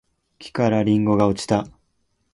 木からりんごが落ちた